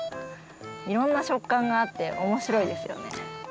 いろんなしょっかんがあっておもしろいですよね。